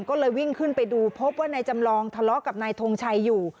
ก็เลยวิ่งขึ้นไปดูพบว่านายจำลองทะเลาะกับนายทงชัยอยู่